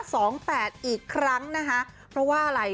สองแปดอีกครั้งนะคะเพราะว่าอะไร